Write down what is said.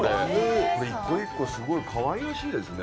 １個１個すごいかわいらしいですね。